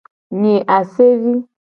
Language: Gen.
Nyi asevi.